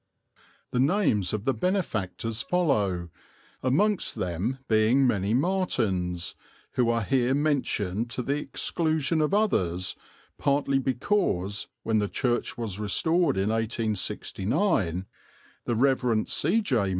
The names of the benefactors follow, amongst them being many Martins, or Martyns, who are here mentioned to the exclusion of others partly because, when the church was restored in 1869, the Rev. C. J.